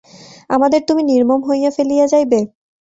আমাদের তুমি নির্মম হইয়া ফেলিয়া যাইবে?